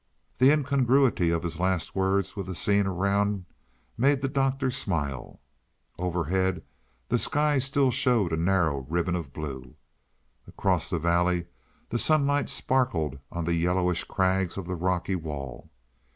The incongruity of his last words with the scene around made the Doctor smile. Overhead the sky still showed a narrow ribbon of blue. Across the valley the sunlight sparkled on the yellowish crags of the rocky wall.